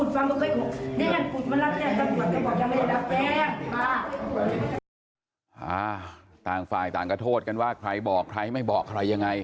พี่สาวบอยบอกว่าบอยไม่เคยบอกใครยังไง